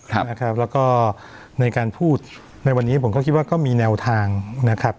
แล้วก็ในการพูดในวันนี้ผมก็คิดว่าก็มีแนวทางนะครับ